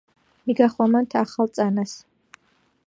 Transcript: მიგახვამანთ ახალ წანას